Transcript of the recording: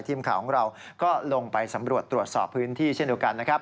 ทีมข่าวของเราก็ลงไปสำรวจตรวจสอบพื้นที่เช่นเดียวกันนะครับ